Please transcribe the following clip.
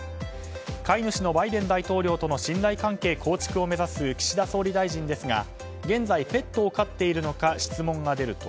飼い主のバイデン大統領との信頼関係構築を目指す岸田総理大臣ですが現在、ペットを飼っているのか質問が出ると。